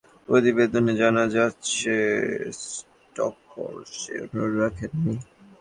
কিন্তু match referee Ranjan মাদুগালের প্রতিবেদনে জানা যাচ্ছে, স্টোকস সেই অনুরোধ রাখেননি।